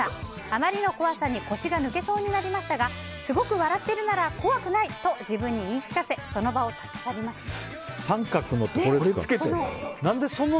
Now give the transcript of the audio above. あまりの怖さに腰が抜けそうになりましたがすごく笑ってるなら怖くないと自分に言い聞かせその場を立ち去りました。